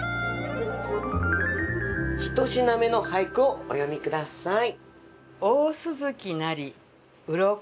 一品目の俳句をお読み下さい。